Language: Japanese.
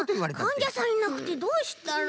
かんじゃさんいなくてどうしたら？